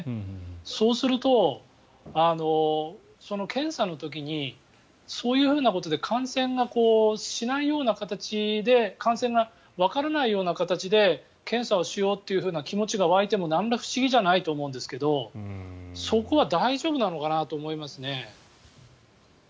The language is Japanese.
そうすると、検査の時にそういうふうなことで感染がわからないような形で検査をしようっていうふうな気持ちが湧いても何ら不思議じゃないと思うんですがそこは大丈夫なのかなと思いますね。